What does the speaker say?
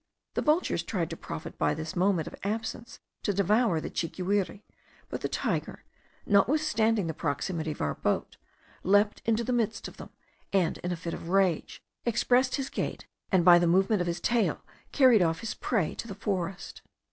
The vultures tried to profit by this moment of absence to devour the chiguire; but the tiger, notwithstanding the proximity of our boat, leaped into the midst of them, and in a fit of rage, expressed by his gait and the movement of his tail, carried off his prey to the forest.